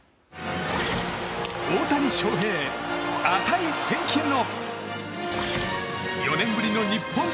大谷翔平、値千金の。